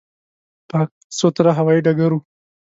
پاک، سوتره هوایي ډګر و.